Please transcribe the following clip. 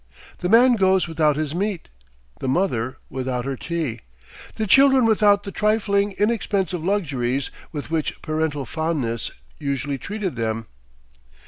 The man goes without his meat, the mother without her tea, the children without the trifling, inexpensive luxuries with which parental fondness usually treated them.